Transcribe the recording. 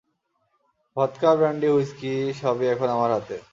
Vodka, brandy, whisky সবই এখন আমার হাতে।